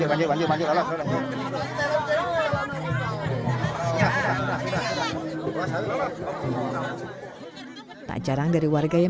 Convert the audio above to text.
tak jarang dari warga yang berkumpul ke kampung masing masing